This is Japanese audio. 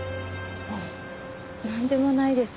ああなんでもないです。